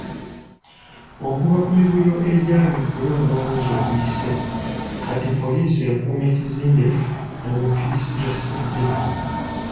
Okuva ku mivuyo egyali mu kulonda omwezi oguyise kati poliisi ekuuma ekizimbe ne woofiisi za ssentebe.